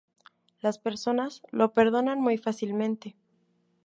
Las personas lo perdonan muy fácilmente.